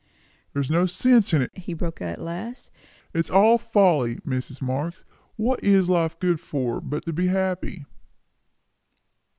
"There is no sense in it!" he broke out at last. "It is all folly. Mrs. Marx, what is life good for, but to be happy?"